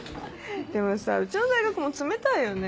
でもさうちの大学も冷たいよね。